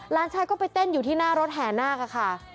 หลานชายก็ไปเต้นอยู่ที่หน้ารถแห่นาคค่ะ